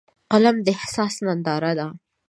فلم د احساس ننداره ده